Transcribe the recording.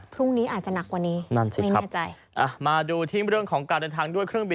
พรุ่งนี้อาจจะหนักกว่านี้นั่นใช่ไหมไม่แน่ใจอ่ะมาดูที่เรื่องของการเดินทางด้วยเครื่องบิน